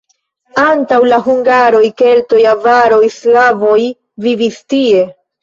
Antaŭ la hungaroj keltoj, avaroj, slavoj vivis tie.